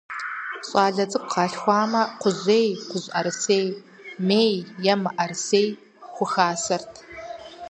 ЩӀалэ цӀыкӀу къалъхуамэ, кхъужьей, кхъужьӀэрысей, мей е мыӀэрысей хухасэрт.